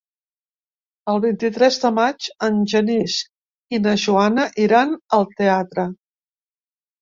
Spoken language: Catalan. El vint-i-tres de maig en Genís i na Joana iran al teatre.